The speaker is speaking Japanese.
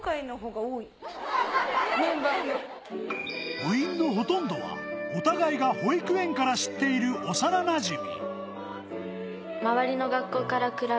部員のほとんどは、お互いが保育園から知っている幼なじみ。